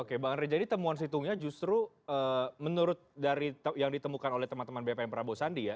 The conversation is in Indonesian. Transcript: oke bang andre jadi temuan situngnya justru menurut dari yang ditemukan oleh teman teman bpm prabowo sandi ya